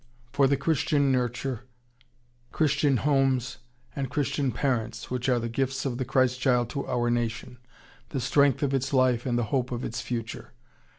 For the Christian nurture, Christian homes, and Christian parents, which are the gifts of the Christ Child to our nation; the strength of its life and the hope of its future.